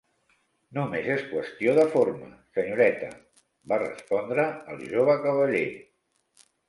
"Només es qüestió de forma, senyoreta", va respondre el jove cavaller.